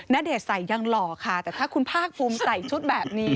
ณเดชน์ใส่ยังหล่อค่ะแต่ถ้าคุณภาคภูมิใส่ชุดแบบนี้